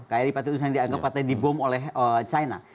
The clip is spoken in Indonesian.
kairi pati unus yang dianggap katanya dibom oleh china